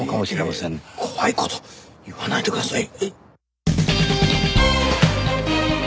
怖い事言わないでください。